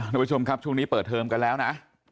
ทุกผู้ชมครับช่วงนี้เปิดเทอมกันแล้วนะ